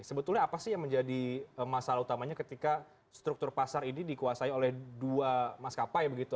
sebetulnya apa sih yang menjadi masalah utamanya ketika struktur pasar ini dikuasai oleh dua maskapai begitu